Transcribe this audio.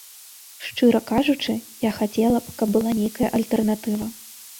Шчыра кажучы, я хацела б, каб была нейкая альтэрнатыва.